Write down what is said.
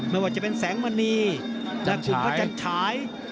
ไม่ว่าจะเป็นแสงมะนีและกุมภาพลิกจันทราย